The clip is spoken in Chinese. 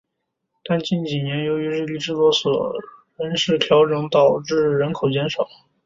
但近几年由于日立制作所的人事调整导致人口减少。